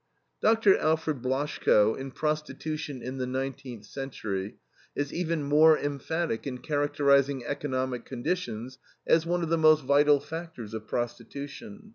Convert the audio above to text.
Dr. Alfred Blaschko, in PROSTITUTION IN THE NINETEENTH CENTURY, is even more emphatic in characterizing economic conditions as one of the most vital factors of prostitution.